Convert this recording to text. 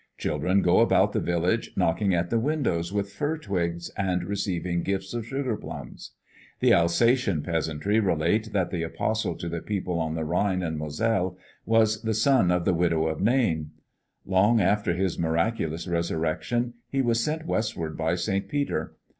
Children go about the village, knocking at the windows with fir twigs, and receiving gifts of sugar plums. The Alsatian peasantry relate that the apostle to the people on the Rhine and Moselle was the son of the widow of Nain. Long after his miraculous resurrection he was sent westward by Saint Peter.